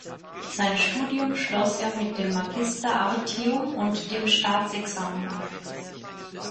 Sein Studium schloss er mit dem Magister artium und dem Staatsexamen ab.